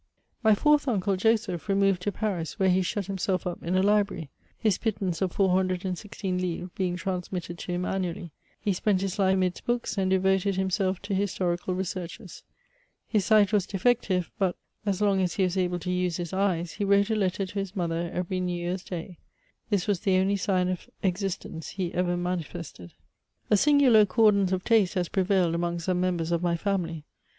mm 48 MEMOIRS OF My fourth uncle, Joseph, remoTed to Paris, where he shut himself up in a library; his pittance of 416 livres being transmitted to him annually. He spent his life amidst books ; and devoted himself to historical researches. His sight was defective ; but, as long as he was able to use his eyes, he wrote a letter to his mother every New Year's Day; this was the only sign of existence he ever manifested. A singular accordance of taste has prevailed among some mem bers of my family.